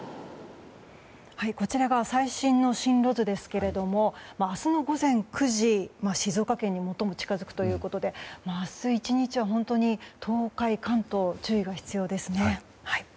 こちらが最新の進路図ですけれども明日の午前９時、静岡県に最も近づくということで明日１日は東海・関東、注意が必要ですね。